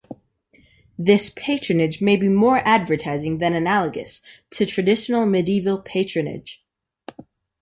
This "patronage" may be more advertising than analogous to traditional medieval patronage.